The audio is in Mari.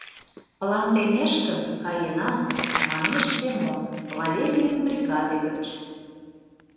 — План темеш гын, каена, — манеш Семон, Валерийын бригаде гыч.